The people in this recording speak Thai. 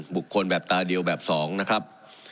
บุคคลแบบตาเดียวแบบ๒นะครับ